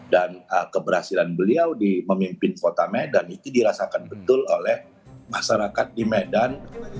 dan keberhasilan beliau di memimpin kota medan itu dirasakan betul oleh masyarakat di medan